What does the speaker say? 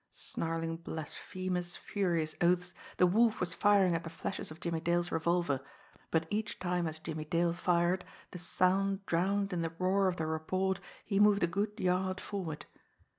Snarling blasphemous, furious oaths, the Wolf was firing at the flashes of Jimmie Dale's revolver but each time as Jimmie Dale fired, the sound drowned in the roar of the report, he moved a good yard forward.